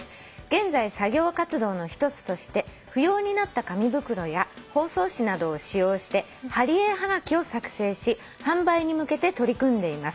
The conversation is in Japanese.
「現在作業活動の一つとして不要になった紙袋や包装紙などを使用して貼り絵はがきを作成し販売に向けて取り組んでいます」